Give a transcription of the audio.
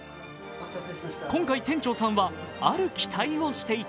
今回、店長さんはある期待をしていた。